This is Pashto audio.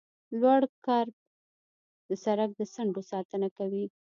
لوړ کرب د سرک د څنډو ساتنه کوي